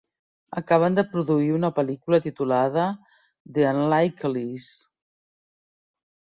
Acaben de produir una pel·lícula titulada The Unlikeleys.